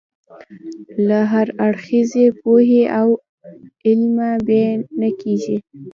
له هراړخیزې پوهې او علمه یې نه کېږي.